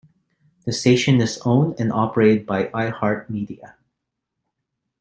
The station is owned and operated by iHeartMedia.